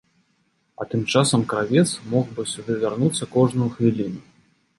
А тым часам кравец мог бы сюды вярнуцца кожную хвіліну.